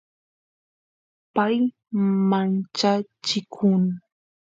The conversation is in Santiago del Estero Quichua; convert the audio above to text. pay manchachikun